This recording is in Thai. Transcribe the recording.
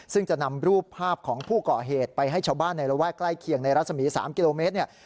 ซึ่งจะนำรูปภาพของผู้ก่อเหตุไปให้ชาวบ้านในระแวกใกล้เคียงในรัศมี๓กิโลเมตรเนี่ย